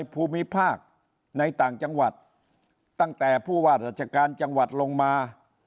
ภูมิภาคในต่างจังหวัดตั้งแต่ผู้ว่าราชการจังหวัดลงมา